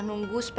yang tersisih apa